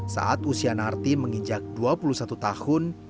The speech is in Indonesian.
saat usia narti menginjak dua puluh satu tahun